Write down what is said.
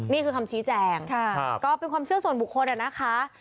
นี่คือคำชี้แจงก็เป็นความเชื่อส่วนบุคคลอะนะคะ